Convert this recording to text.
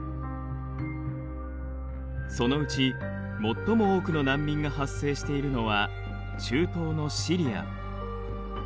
そのうち最も多くの難民が発生しているのは中東のシリア。